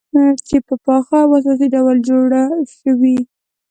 چې په پاخه او اساسي ډول جوړه شوې،